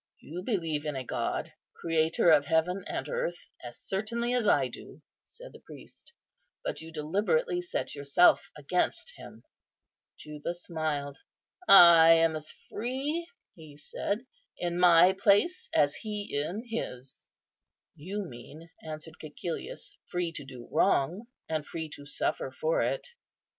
"You believe in a God, Creator of heaven and earth, as certainly as I do," said the priest, "but you deliberately set yourself against Him." Juba smiled. "I am as free," he said, "in my place, as He in His." "You mean," answered Cæcilius, "free to do wrong, and free to suffer for it."